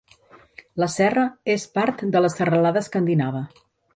La serra és part de la Serralada Escandinava.